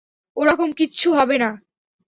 ওরকম কিচ্ছু হবে না।